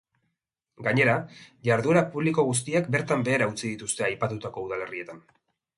Gainera, jarduera publiko guztiak bertan behera utzi dituzte aipatutako udalerrietan.